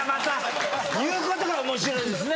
言うことがおもしろいですね。